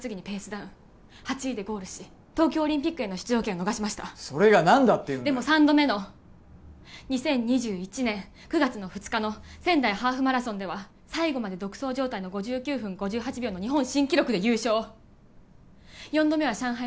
ダウン８位でゴールし東京オリンピックへの出場権を逃しましたそれが何だっていうんだよでも３度目の２０２１年９月２日の仙台ハーフマラソンでは最後まで独走状態の５９分５８秒の日本新記録で優勝４度目は上海